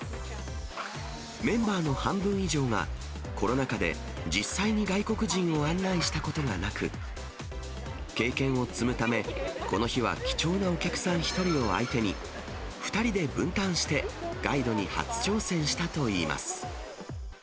メンバーの半分以上が、コロナ禍で実際に外国人を案内したことがなく、経験を積むため、この日は貴重なお客さん１人を相手に、２人で分担して、ガイドに初挑戦したといいます。